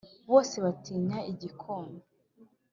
bose batinyaga igikona